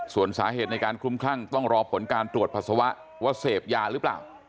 ส่วนสาเหตุในการคลุมคลั่งต้องรอผลการตรวจปัสสาวะว่าเสพยาหรือเปล่า